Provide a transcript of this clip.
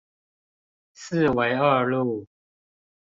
四維二路